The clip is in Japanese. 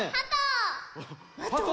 ハト？